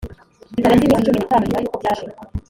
kitarenze iminsi cumi n itanu nyuma y uko byaje